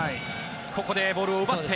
ここでボールを奪って。